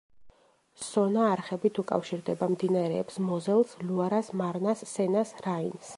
სონა არხებით უკავშირდება მდინარეებს მოზელს, ლუარას, მარნას, სენას, რაინს.